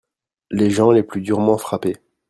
Les gens les plus durement frappés.